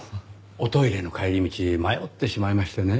おトイレの帰り道迷ってしまいましてね。